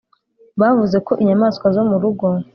bavuze ko inyamaswa zo mu rugo